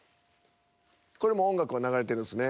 これもう音楽は流れてるんですね。